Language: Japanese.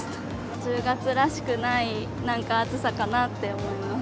１０月らしくない暑さかなって思います。